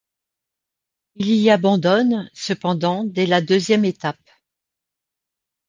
Il y abandonne cependant dès la deuxième étape.